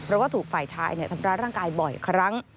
เพราะว่าถูกฝ่ายชายทำร้ายร่างกายบ่อยครั้ง